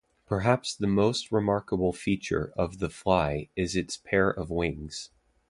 Perhaps the most remarkable feature of the fly is its pair of wings.